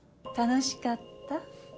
楽しかった？